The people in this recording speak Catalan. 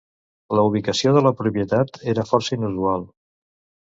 La ubicació de la propietat era força inusual.